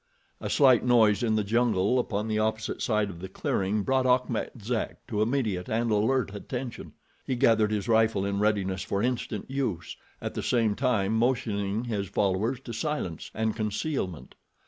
A slight noise in the jungle upon the opposite side of the clearing brought Achmet Zek to immediate and alert attention. He gathered his rifle in readiness for instant use, at the same time motioning his followers to silence and concealment.